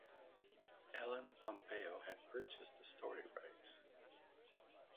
Ellen Pompeo had purchased the story rights.